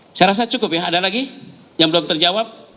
saya rasa cukup ya ada lagi yang belum terjawab